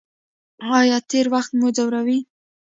ایا تیر وخت مو ځوروي؟